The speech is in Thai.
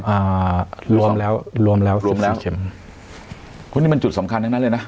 อ่ารวมแล้วรวมแล้วรวมแล้วเข็มเพราะนี่มันจุดสำคัญทั้งนั้นเลยนะ